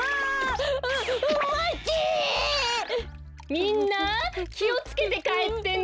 みんなきをつけてかえってね。